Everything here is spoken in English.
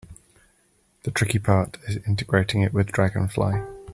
The tricky part is integrating it with Dragonfly.